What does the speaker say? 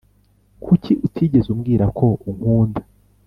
Kuki utigeze umbwira ko unkunda